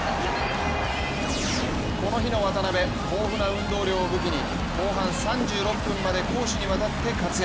この日の渡辺、豊富な運動量を武器に後半３６分まで攻守にわたって活躍。